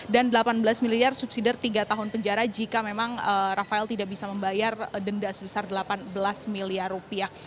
dan delapan belas miliar subsidi tiga tahun penjara jika memang rafael tidak bisa membayar denda sebesar delapan belas miliar rupiah